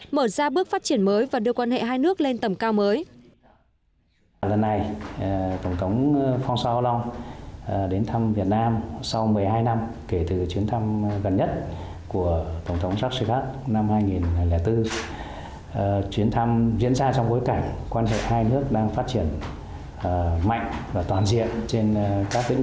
mở ra bước phát triển mới và đưa quan hệ hai nước lên tầm cao mới